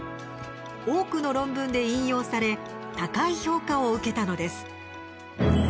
多くの論文で引用され高い評価を受けたのです。